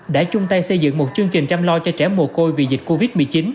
đã chung tay xây dựng một chương trình chăm lo cho trẻ mồ côi vì dịch covid một mươi chín